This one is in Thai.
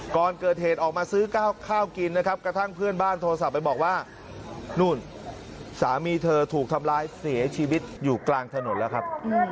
ก่อนเกิดเหตุออกมาซื้อข้าวกินนะครับกระทั่งเพื่อนบ้านโทรศัพท์ไปบอกว่านู่นสามีเธอถูกทำร้ายเสียชีวิตอยู่กลางถนนแล้วครับ